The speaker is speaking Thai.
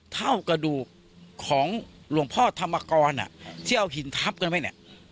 เท่ากระดูกของหลวงพ่อธรรมกรที่เอาหินทับกันไว้เนี่ย